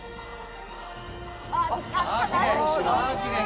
あきれい。